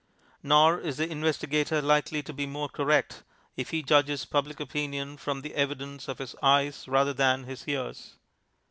Nor is the investigator likely to be more correct if he judges Public Opinion from the evidence of his eyes rather than his ears.